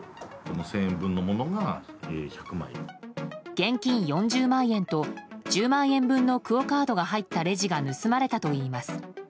現金４０万円と１０万円分のクオカードが入ったレジが盗まれたといいます。